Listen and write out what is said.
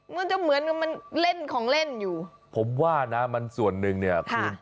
มันจะเหมือนกับมันเล่นของเล่นอยู่ผมว่านะมันส่วนหนึ่งเนี่ยคุณ